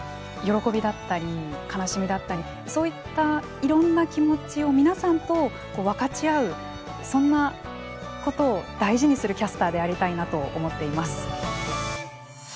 喜びだったり悲しみだったりそういったいろんな気持ちを皆さんと分かち合うそんなことを大事にするキャスターでありたいなと思っています。